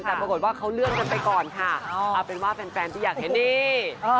แต่ปรากฏว่าเขาเลื่อนกันไปก่อนค่ะเอาเป็นว่าแฟนที่อยากเห็นนี่